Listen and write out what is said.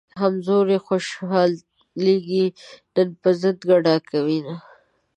همزولي خوشحالېږي نن پۀ ضد ګډا کوينه